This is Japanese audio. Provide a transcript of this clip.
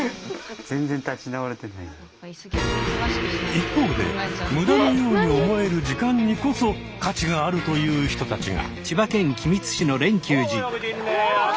一方で無駄のように思える時間にこそ価値があるという人たちが。